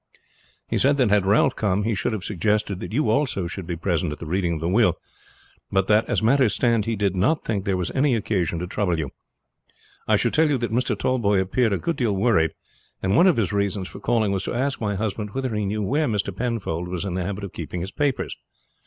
"He said that had Ralph come he should have suggested that you also should be present at the reading of the will, but that as matters stand he did not think there was any occasion to trouble you. I should tell you that Mr. Tallboys appeared a good deal worried, and one of his reasons for calling was to ask my husband whether he knew where Mr. Penfold was in the habit of keeping his papers.